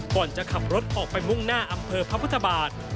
ก่อนจะขับรถออกไปมุ่งหน้าอำเภอพระพุทธบาท